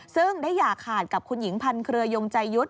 ซึ่งได้อย่าขาดกับคุณหญิงพันเครือยงใจยุทธ์